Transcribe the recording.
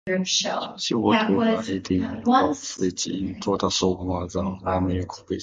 She wrote over eighty novels which in total sold more than one million copies.